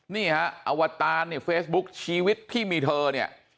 นี่ฮะอวตารเนี่ยเฟซบุ๊คชีวิตที่มีเธอเนี่ย